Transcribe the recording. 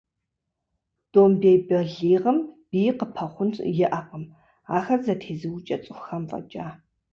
Домбей бэлигъым бий къыпэхъун иӏэкъым, ахэр зэтезыукӏэ цӏыхухэм фӏэкӏа.